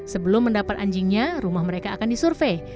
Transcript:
sebelum mendapat anjingnya rumah mereka akan disurvey